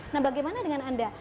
nah bagaimana dengan anda